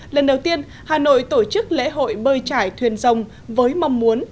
lần đầu tiên hà nội tổ chức lễ hội bơi trải thuyền rồng với mong muốn